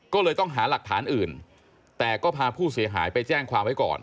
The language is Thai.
ก็เลยต้องหาหลักฐานอื่นแต่ก็พาผู้เสียหายไปแจ้งความไว้ก่อน